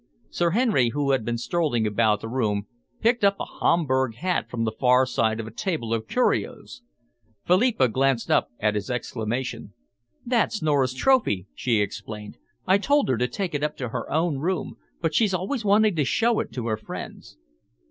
Sir Henry, who had been strolling about the room, picked up a Homburg hat from the far side of a table of curios. Philippa glanced up at his exclamation. "That's Nora's trophy," she explained. "I told her to take it up to her own room, but she's always wanting to show it to her friends."